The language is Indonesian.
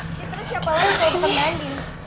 ya terus siapa lagi yang selalu berkenan andin